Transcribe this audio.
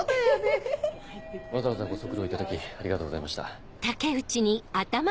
わざわざご足労いただきありがとうございました。